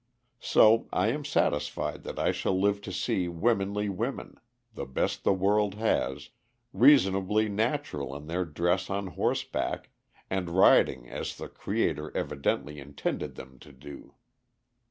So I am satisfied that I shall live to see womenly women the best the world has reasonably natural in their dress on horseback, and riding as the Creator evidently intended them to do.